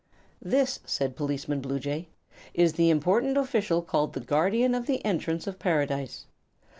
"This," said Policeman Bluejay, "is the important official called the Guardian of the Entrance of Paradise.